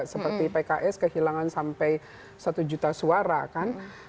seperti pks kehilangan sampai satu juta suara kan